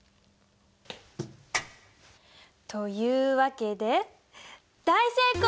というわけで大成功！